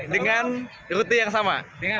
dengan rute yang sama